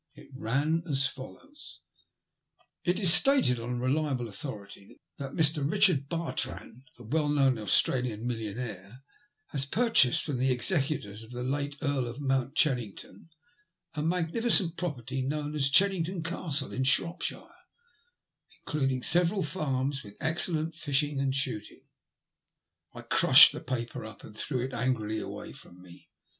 It ran as follows :— "It b stated on reliable authority that Mr. Bichard Bartrand, the well known Australian millionaire, has purchased from the executors of the late Earl of Mount Chennington the magnificent property known as Chen nington Castle in Shropshire, including several forms, with excellent fishing and shooting.*' ENGLAND ONCE MORE. 89 I orushed the paper up and threw it angrily away from me.